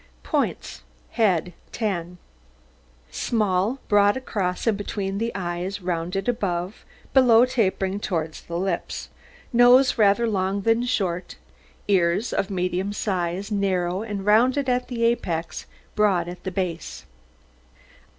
POINTS HEAD 10 Small, broad across and between the eyes, rounded above, below tapering towards the lips; nose rather long than short; ears of medium size, narrow and rounded at the apex, broad at the base.